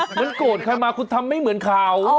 โกรธใครมาคุณทำไม่เหมือนเขา